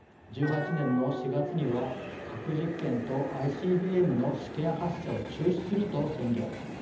１８年の４月には核実験とＩＣＢＭの試験発射を中止すると宣言。